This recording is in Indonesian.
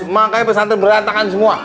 makanya pesantren berantakan semua